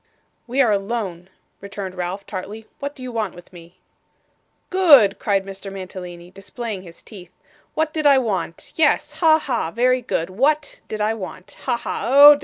'We are alone,' returned Ralph, tartly. 'What do you want with me?' 'Good!' cried Mr. Mantalini, displaying his teeth. 'What did I want! Yes. Ha, ha! Very good. WHAT did I want. Ha, ha.